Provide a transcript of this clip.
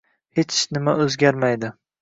hech nima o’zgarmaydi.